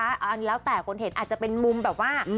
อันนี้แล้วแต่คนเห็นอาจจะเป็นมุมแบบว่า